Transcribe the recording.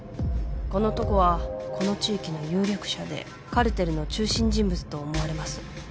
この男はこの地域の有力者でカルテルの中心人物と思われます。